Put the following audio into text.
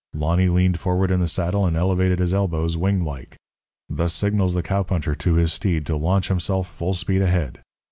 Lonny leaned forward in the saddle and elevated his elbows, wing like. Thus signals the cowpuncher to his steed to launch himself full speed ahead.